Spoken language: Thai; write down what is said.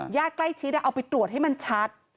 ญาติใกล้ชิดเอาไปตรวจให้มันชัด